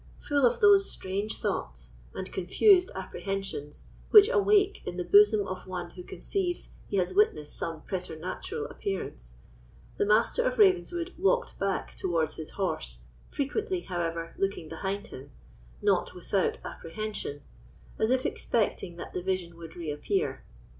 Full of those strange thoughts and confused apprehensions which awake in the bosom of one who conceives he has witnessed some preternatural appearance, the Master of Ravenswood walked back towards his horse, frequently, however, looking behind him, not without apprehension, as if expecting that the vision would reappear.